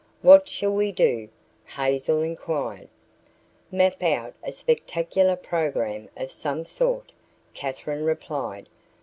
"What shall we do?" Hazel inquired. "Map out a spectacular program of some sort," Katherine replied.